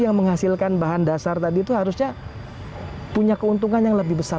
yang menghasilkan bahan dasar tadi itu harusnya punya keuntungan yang lebih besar